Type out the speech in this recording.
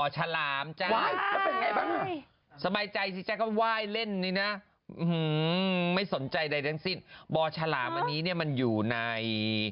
ใจใดทั้งสิ้นบ่อฉลามอันนี้เนี่ยมันอยู่ใน